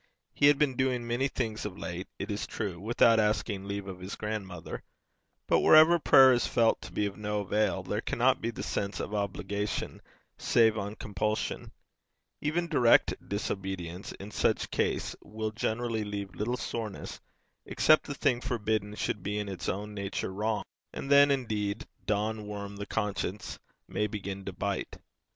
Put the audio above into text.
He had been doing many things of late, it is true, without asking leave of his grandmother, but wherever prayer is felt to be of no avail, there cannot be the sense of obligation save on compulsion. Even direct disobedience in such case will generally leave little soreness, except the thing forbidden should be in its own nature wrong, and then, indeed, 'Don Worm, the conscience,' may begin to bite.